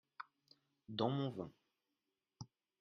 dans mon vin.